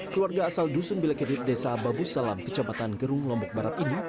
keluarga asal dusun belakedit desa babu salam kecamatan gerung lombok barat ini